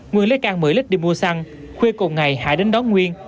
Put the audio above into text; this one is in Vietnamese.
nguyên lấy can một mươi lít đi mua xăng khuya cùng ngày hải đến đón nguyên